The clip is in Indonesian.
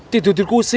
tidur di kusi